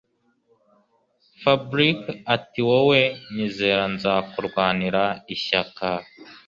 Fabric atiwowe nyizera nzakurwanira ishyaka